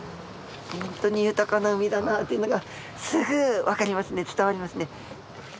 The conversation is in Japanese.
本当に豊かな海だなというのがすぐ分かりますね伝わりますね。